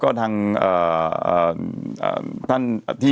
มีสารตั้งต้นเนี่ยคือยาเคเนี่ยใช่ไหมคะ